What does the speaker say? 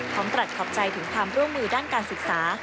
กรัดขอบใจถึงความร่วมมือด้านการศึกษา